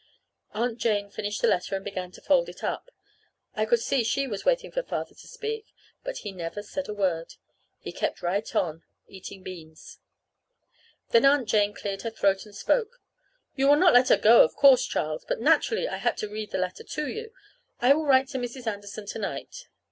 Aunt Jane finished the letter and began to fold it up. I could see she was waiting for Father to speak; but he never said a word. He kept right on eating beans. Then Aunt Jane cleared her throat and spoke. "You will not let her go, of course, Charles; but naturally I had to read the letter to you. I will write to Mrs. Anderson to night."